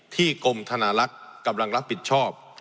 กรมธนาลักษณ์กำลังรับผิดชอบ